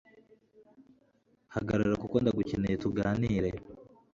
Hagarara Kuko ndagukeneye tuganire